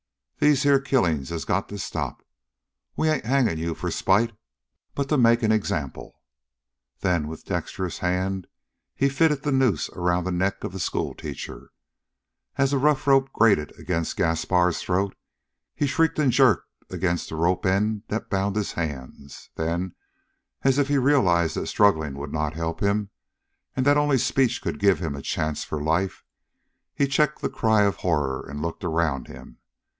These here killings has got to stop. We ain't hanging you for spite, but to make an example." Then with a dexterous hand he fitted the noose around the neck of the schoolteacher. As the rough rope grated against Gaspar's throat, he shrieked and jerked against the rope end that bound his hands. Then, as if he realized that struggling would not help him, and that only speech could give him a chance for life, he checked the cry of horror and looked around him.